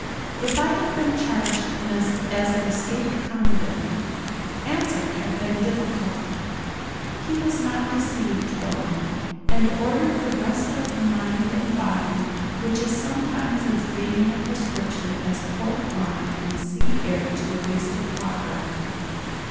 If I had been charged as an escaped convict, answer had been difficult. He was not deceived, though, and ordered the rest of mind and body which is sometimes as vain a prescription as port wine and sea air to the wasted pauper.